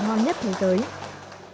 ngon nhất thì tưởng